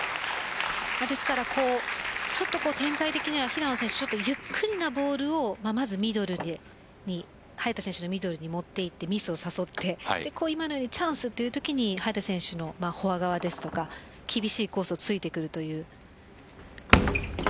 展開的には平野選手ゆっくりなボールをまずミドルに早田選手のミドルに持っていってミスを誘ってチャンスというときに早田選手のフォア側ですとか厳しいコースを突いてくるという。